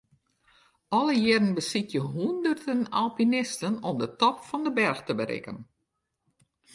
Alle jierren besykje hûnderten alpinisten om de top fan 'e berch te berikken.